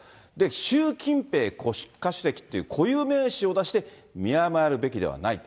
習近平国家主席という固有名詞を出して、見誤るべきではないと。